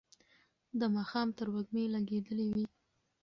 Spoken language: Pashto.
د ماښام تروږمۍ لګېدلې وه.